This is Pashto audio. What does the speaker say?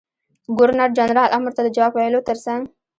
ګورنر جنرال امر ته د جواب ویلو تر څنګ.